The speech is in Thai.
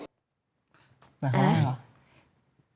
ไม่ครบไหมครับ